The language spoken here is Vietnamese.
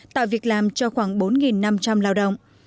tạo việc làm cho khoảng bốn năm trăm linh lao động